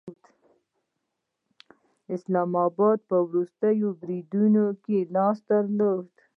د اسلام آباد په وروستي برید کې یې لاس درلود